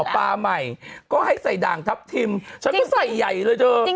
ปลาใหม่ก็ให้ใส่ด่างทัพทิมฉันก็ใส่ใหญ่เลยเธอ